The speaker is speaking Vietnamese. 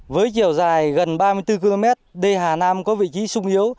với chiều dài gần ba mươi bốn km đê hà nam có vị trí sung yếu